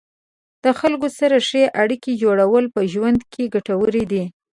د خلکو سره ښې اړیکې جوړول په ژوند کې ګټورې دي.